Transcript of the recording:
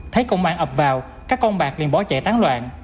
thấy công an ập vào các con bạc liền bỏ chạy tán loạn